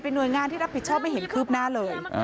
หน่วยงานที่รับผิดชอบไม่เห็นคืบหน้าเลย